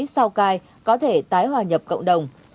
sau cai có thể tái hòa nhập cộng đồng